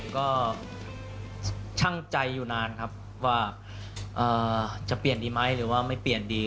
ก็ช่างใจอยู่นานครับว่าจะเปลี่ยนดีไหมหรือว่าไม่เปลี่ยนดี